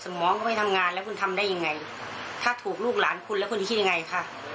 มองก็ไม่ทำงานแล้วคุณทำได้ยังไงถ้าถูกลูกหลานคุณแล้วคุณจะคิดยังไงคะ